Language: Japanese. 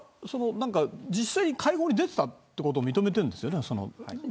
実際に会合に出たことは認めているんですよね。